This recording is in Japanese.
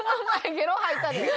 ゲロ吐いたで。